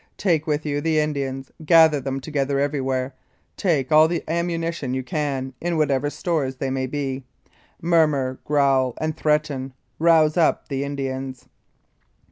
... Take with you the Indians ; gather them together everywhere. Take all the ammunition you can, in whatever stores they may be. Murmur, growl and threaten. Rouse up the Indians."